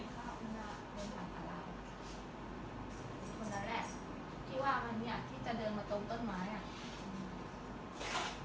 คิดว่ามันเนี่ยที่จะเดินมาตรงต้นไม้อ่ะ